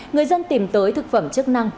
người dân tìm tới thực phẩm chức năng